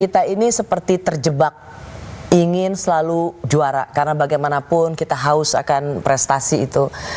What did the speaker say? kita ini seperti terjebak ingin selalu juara karena bagaimanapun kita haus akan prestasi itu